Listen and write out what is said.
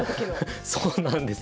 そうなんです。